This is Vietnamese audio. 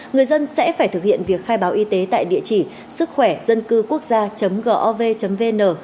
người dân sẽ phải thực hiện việc khai báo y tế tại địa chỉ sứckhoẻ dâncưuquốcgia gov vn